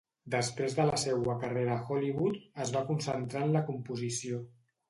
Després de la seua carrera a Hollywood, es va concentrar en la composició.